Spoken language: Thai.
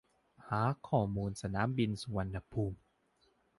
หาข้อมูลสนามบินสุวรรณภูมิ